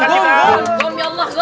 gom ya allah